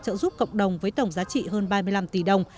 trợ giúp cộng đồng với tổng giá trị hơn ba mươi năm tỷ đồng